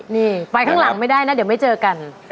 นี่ไปข้างหลังไม่ได้นะเดี๋ยวไม่เจอกัน